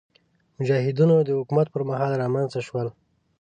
مجاهدینو د حکومت پر مهال رامنځته شول.